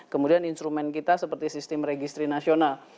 kemudian instrumen kita seperti sistem registry nasional